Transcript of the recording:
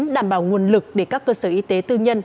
đảm bảo nguồn lực để các cơ sở y tế tư nhân